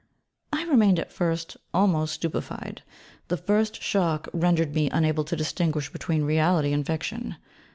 I remained at first almost stupefied: the first shock rendered me unable to distinguish between reality and fiction.